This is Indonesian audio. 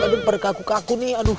aduh pada kaku kaku nih